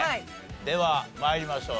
では参りましょう。